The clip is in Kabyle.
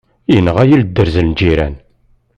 Yenɣa-yi dderz n lǧiran.